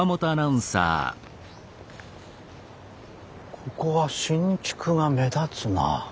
ここは新築が目立つなあ。